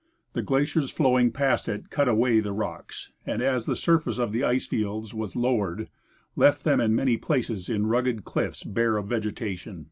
The glaciers floAving past it cut away the rocks and, as the surface of the ice fields was lowered, left them in many places in rugged cliffs bare of vegetation.